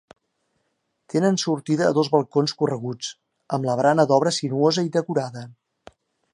Tenen sortida a dos balcons correguts, amb la barana d'obra sinuosa i decorada.